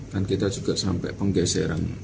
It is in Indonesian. dan kita juga sampai penggeseran